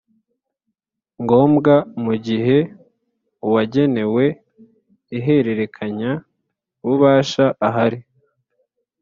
ngombwa mu gihe uwagenewe ihererekanya bubasha ahari